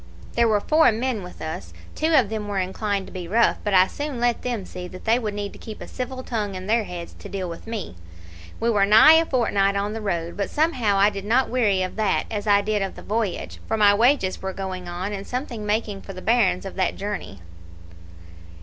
There were four men with us; two of them were inclined to be rough; but I soon let them see that they would need to keep a civil tongue in their heads to deal with me. We were nigh a fortnight on the road, but somehow I did not weary of that as I did of the voyage, for my wages were going on, and something making for the bairns of that journey."